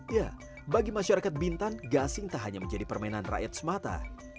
ya bagi masyarakat bintan gasing tak hanya menjadi permainan rakyat semata